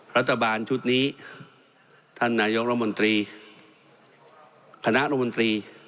รัฐบาลชุดนี้ท่านนายกรมนตรีคณะรมนตรี